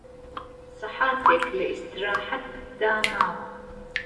سهحاتێک له ئيستيڕاحەت دا ماوه